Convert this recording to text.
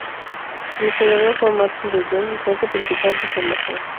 Su diseñador fue Martin de Jong, y fuente principal de información.